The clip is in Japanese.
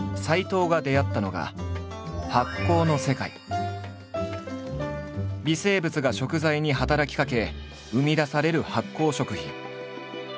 藤が出会ったのが微生物が食材に働きかけ生み出される発酵食品。